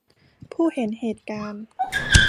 ผู้เห็นเหตุการณ์